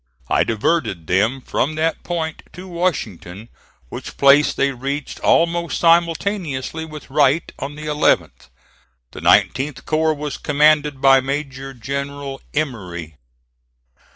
I diverted them from that point to Washington, which place they reached, almost simultaneously with Wright, on the 11th. The 19th corps was commanded by Major General Emory.